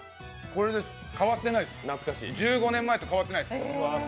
これです、変わってないです、１５年前と変わってないです。